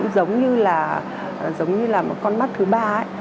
giống như là một con mắt thứ ba